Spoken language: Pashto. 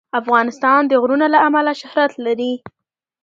افغانستان د غرونه له امله شهرت لري.